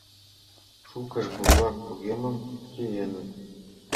Шукышт бурлак вургемым чиеныт.